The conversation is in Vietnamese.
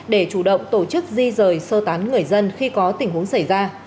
để chủ động tổ chức di rời sơ tán người dân khi có tình huống xảy ra